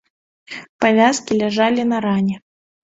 Павязкі ляжалі на ране.